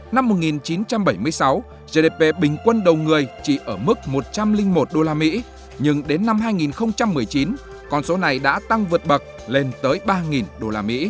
năm một nghìn chín trăm bảy mươi sáu gdp bình quân đầu người chỉ ở mức một trăm linh một usd nhưng đến năm hai nghìn một mươi chín con số này đã tăng vượt bậc lên tới ba usd